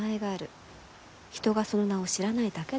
人がその名を知らないだけだと。